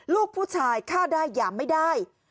ลูกผู้ชายฆ่าได้หยามไม่ได้